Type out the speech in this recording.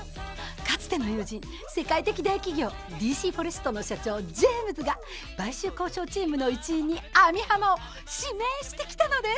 かつての友人世界的大企業ＤＣフォレストの社長ジェームズが買収交渉チームの一員に網浜を指名してきたのです。